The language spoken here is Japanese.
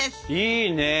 いいね。